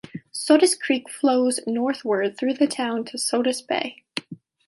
Sodus Creek flows northward through the town to Sodus Bay.